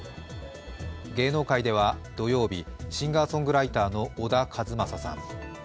芸能界では土曜日、シンガーソングライターの小田和正さん。